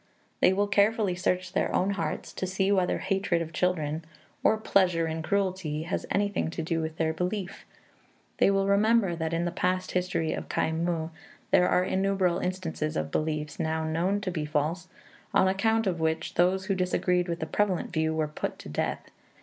They will carefully search their own hearts to see whether hatred of children or pleasure in cruelty has anything to do with their belief. They will remember that in the past history of Khai muh there are innumerable instances of beliefs, now known to be false, on account of which those who disagreed with the prevalent view were put to death.